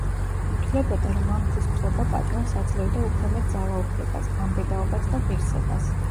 ითვლებოდა, რომ ამ ქვის ფლობა პატრონს აძლევდა უფრო მეტ ძალაუფლებას, გამბედაობას და ღირსებას.